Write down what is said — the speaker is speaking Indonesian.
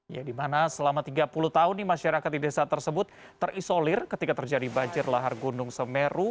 ya dimana selama tiga puluh tahun masyarakat di desa tersebut terisolir ketika terjadi banjir lahar gunung semeru